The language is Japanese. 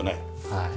はい。